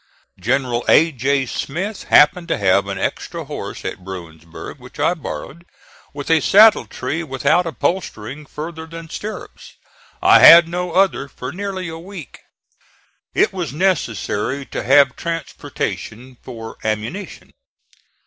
General A. J. Smith happened to have an extra horse at Bruinsburg which I borrowed, with a saddle tree without upholstering further than stirrups. I had no other for nearly a week. It was necessary to have transportation for ammunition.